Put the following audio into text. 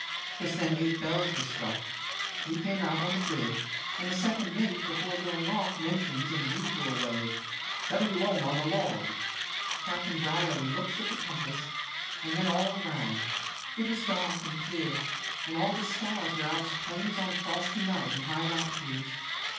Just then eight bells were struck: we came out on the bridge, and the second mate before going off mentions in the usual way 'Seventy one on the log.' Captain Brierly looks at the compass and then all round. It was dark and clear, and all the stars were out as plain as on a frosty night in high latitudes.